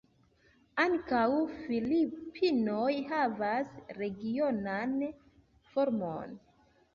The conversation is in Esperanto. Ankaŭ Filipinoj havas regionan formon.